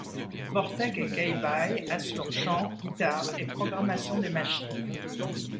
Bortek et K-Bye assurent chants, guitare et programmation des machines.